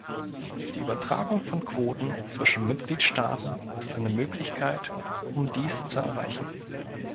Die Übertragung von Quoten zwischen Mitgliedstaaten ist eine Möglichkeit, um dies zu erreichen.